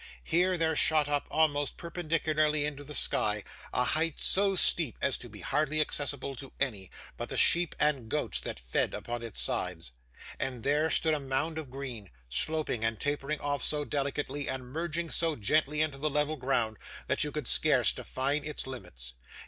Here, there shot up, almost perpendicularly, into the sky, a height so steep, as to be hardly accessible to any but the sheep and goats that fed upon its sides, and there, stood a mound of green, sloping and tapering off so delicately, and merging so gently into the level ground, that you could scarce define its limits.